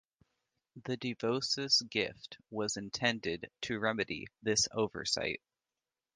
The DeVoses' gift was intended to remedy this oversight.